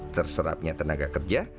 terserapnya tenaga kerja